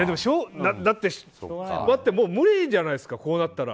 だって、もう無理じゃないですかこうなったら。